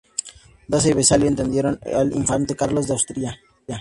Daza y Vesalio atendieron al infante Carlos de Austria.